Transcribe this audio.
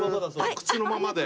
靴のままで。